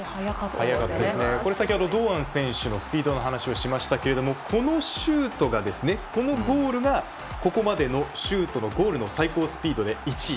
先ほど堂安選手のスピードの話をしましたがこのシュートが、このゴールがここまでのシュートのゴールの最高スピードで１位。